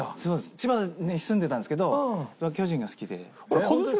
千葉に住んでたんですけど巨人が好きで。